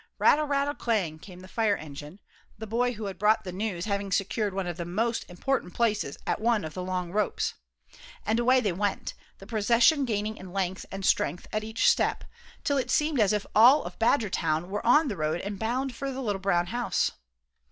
Rattle rattle clang came the fire engine, the boy who had brought the news having secured one of the most important places at one of the long ropes. And away they went, the procession gaining in length and strength at each step, till it seemed as if all Badgertown were on the road and bound for the little brown house.